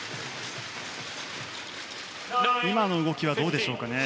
今の動きはどうでしょうかね。